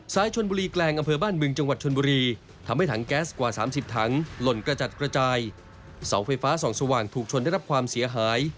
เสาไฟฟ้าสองสว่างถูกชนได้รับความเสียหาย